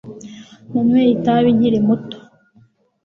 nanyweye itabi nkiri muto